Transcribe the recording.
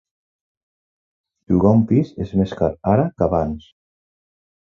Llogar un pis és més car ara que abans